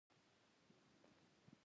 د برابرۍ او ازادۍ خبرې په کې نه کېږي.